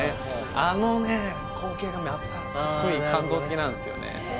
あのね光景がまたすげえ感動的なんすよね